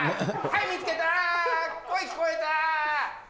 はい、見つけたー。